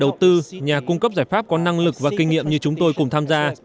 đầu tư nhà cung cấp giải pháp có năng lực và kinh nghiệm như chúng tôi cùng tham gia